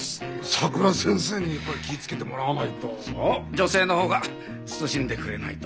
女性のほうが慎んでくれないとね。